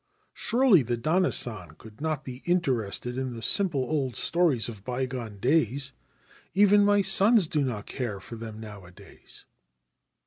c Surely the Danna San could not be interested in the simple old stories of bygone days ? Even my sons do not care for them nowadays